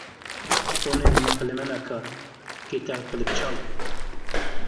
-بۇنى نېمە قىلىمەن ئاكا؟ -گىتار قىلىپ چال!